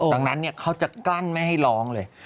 ดังนั้นเขาจะกลั้นไม่ให้ร้องเลย